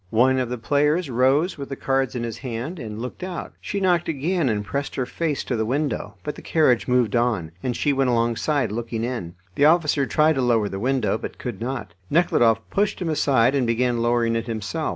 One of the players rose with the cards in his hand, and looked out. She knocked again, and pressed her face to the window, but the carriage moved on, and she went alongside looking in. The officer tried to lower the window, but could not. Nekhludoff pushed him aside and began lowering it himself.